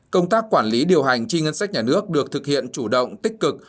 công tác quản lý điều hành chi ngân sách nhà nước được thực hiện chủ động tích cực